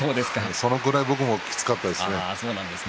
そのくらい僕もきつかったです。